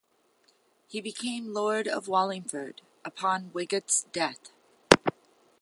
He became lord of Wallingford upon Wigod's death.